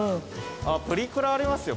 プリクラありますよ